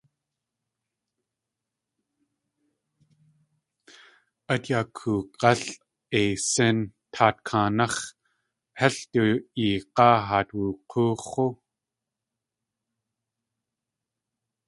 Át yakoong̲al.eisín taat kaanáx̲ hél du eeg̲áa haat wuk̲oox̲ú.